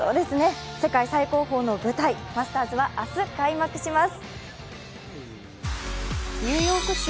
世界最高峰の舞台、マスターズは明日、開幕します。